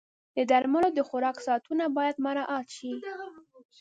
د درملو د خوراک ساعتونه باید مراعت شي.